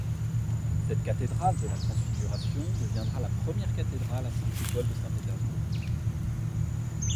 Cette cathédrale de la Transfiguration deviendra la première cathédrale à cinq coupoles de Saint-Pétersbourg.